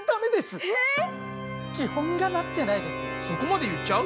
そこまで言っちゃう？